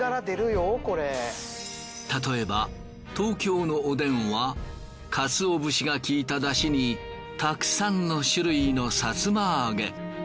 例えば東京のおでんはカツオ節が効いた出汁にたくさんの種類のさつま揚げ。